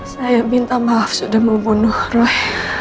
saya minta maaf sudah membunuh roh